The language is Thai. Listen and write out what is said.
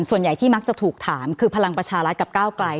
ส่วนใหญ่ที่มักจะถูกถามคือพลังประชารัฐกับก้าวไกล